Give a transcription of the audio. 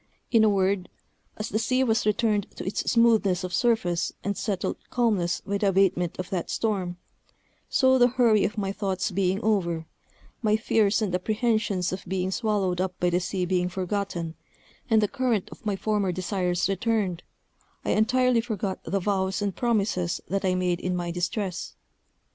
In a word, as the sea was returned to its smoothness of surface and settled calmness by the abatement of that storm, so the hurry of my thoughts being over, my fears and apprehensions of being swallowed up by the sea being forgotten, and the current of my former desires returned, I entirely forgot the vows and promises that I made in my distress.